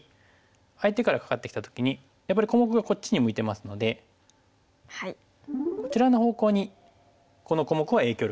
相手からカカってきた時にやっぱり小目がこっちに向いてますのでこちらの方向にこの小目は影響力を与えやすい。